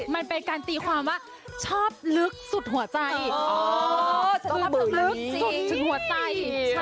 กับเพลงที่มีชื่อว่ากี่รอบก็ได้